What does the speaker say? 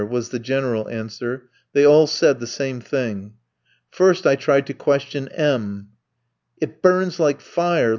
was the general answer; they all said the same thing. First I tried to question M tski. "It burns like fire!